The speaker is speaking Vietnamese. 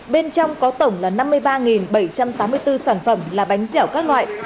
bên trong có tổng là năm mươi ba bảy trăm tám mươi bốn sản phẩm là bánh dẻo các loại